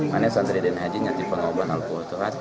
mana santri dan hajinya di pangauban leles garut